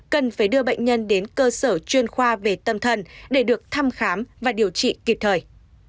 cần phải đưa bệnh nhân đến cơ sở chuyên khoa về tâm thần để được thăm khám và điều trị kịp thời